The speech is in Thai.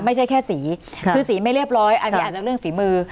ไม่ใช่แค่สีคือสีไม่เรียบร้อยอันนี้อาจจะเรื่องฝีมือ